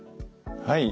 はい。